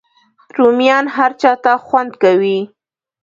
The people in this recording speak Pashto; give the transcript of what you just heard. رومیان هر چاته خوند کوي